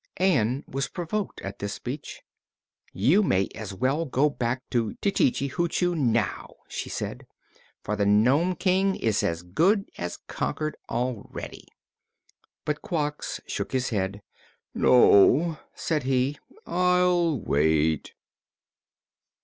Ann was provoked at this speech. "You may as well go back to Tititi Hoochoo now," she said, "for the Nome King is as good as conquered already." But Quox shook his head. "No," said he; "I'll wait."